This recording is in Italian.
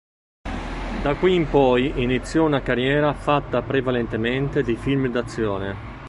Da qui in poi iniziò una carriera fatta prevalentemente di film d'azione.